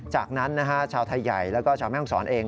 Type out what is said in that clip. จากนั้นชาวไทยใหญ่แล้วก็ชาวแม่ห้องศรเอง